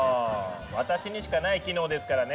私にしかない機能ですからね。